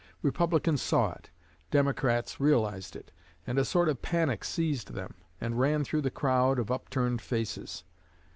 Republicans saw it. Democrats realized it, and a sort of panic seized them, and ran through the crowd of upturned faces.